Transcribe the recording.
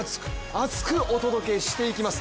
厚く！お届けしていきます。